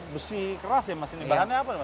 besi keras ya mas ini bahannya apa